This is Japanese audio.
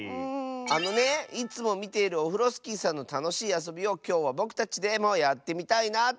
あのねいつもみているオフロスキーさんのたのしいあそびをきょうはぼくたちでもやってみたいなあとおもって。